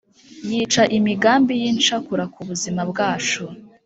Yica imigambi yincakura kubuzima bwacu